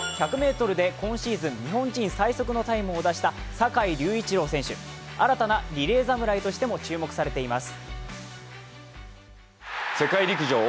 １００ｍで今シーズン日本人最速のタイムを出した坂井隆一郎選手、新たなリレー侍としても注目されています。